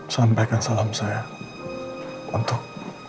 sampaikan salam saya untuk